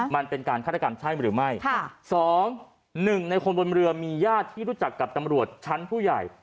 มันเป็นการฆาตกรรมใช่หรือไม่ค่ะสองหนึ่งในคนบนเรือมีญาติที่รู้จักกับตำรวจชั้นผู้ใหญ่